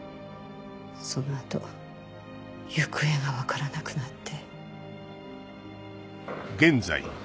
その後行方が分からなくなって。